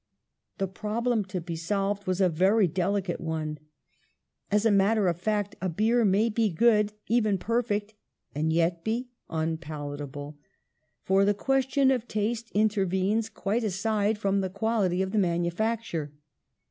The problem to be solved was a very delicate one. As a matter of fact, a beer may be good, even perfect, and yet be unpalatable, for the ques tion of taste intervenes, quite aside from the quality of the manufacture.